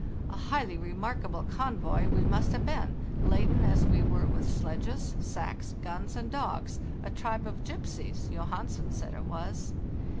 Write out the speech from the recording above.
A highly remarkable convoy we must have been, laden as we were with sledges, sacks, guns, and dogs; a tribe of gypsies, Johansen said it was.